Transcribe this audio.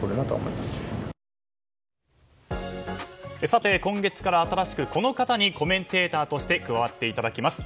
さて、今月から新しくこの方にコメンテーターとして加わっていただきます。